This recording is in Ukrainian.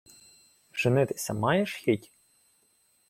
— Женитися маєш хіть?